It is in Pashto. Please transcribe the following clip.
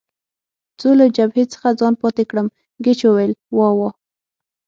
څو له جبهې څخه ځان پاتې کړم، ګېج وویل: وا وا.